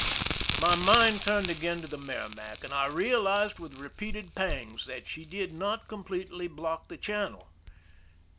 My mind turned again to the Merrimac, and I realized with repeated pangs that she did not com pletely block the channel.